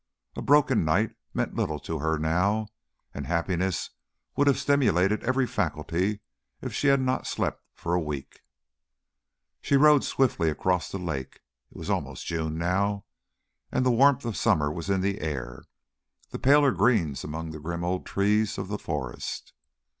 A broken night meant little to her now, and happiness would have stimulated every faculty if she had not slept for a week. She rowed swiftly across the lake. It was almost June now, and the warmth of summer was in the air, the paler greens among the grim old trees of the forest.